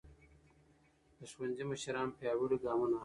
د ښوونځي مشران پیاوړي ګامونه اخلي.